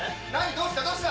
どうした？